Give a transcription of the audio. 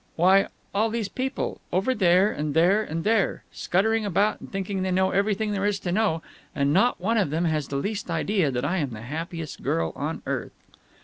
"Why, all these people. Over there and there and there. Scuttering about and thinking they know everything there is to know, and not one of them has the least idea that I am the happiest girl on earth!"